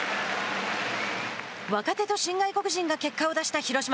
若手と新外国人が結果を出した広島。